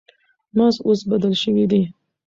مغز اوس بدل شوی دی.